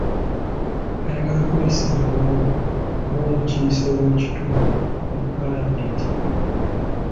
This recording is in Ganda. Ayagala kwesimbawo ng'omukiise w'ekitundu mu paalamenti.